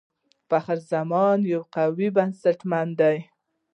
فخر زمان یو قوي بيټسمېن دئ.